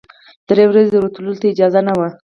درې ورځې ورتللو ته اجازه نه وه.